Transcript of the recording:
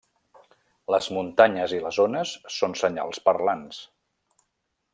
Les muntanyes i les ones són senyals parlants.